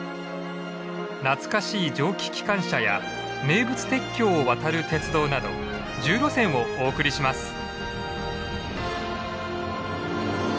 懐かしい蒸気機関車や名物鉄橋を渡る鉄道など１０路線をお送りします。